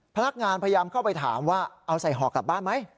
พนักงานพยายามเข้าไปถามว่าเอาใส่ห่อกลับบ้านไหม